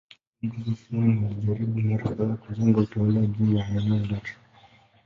Viongozi Waislamu walijaribu mara kadhaa kujenga utawala juu ya eneo lote.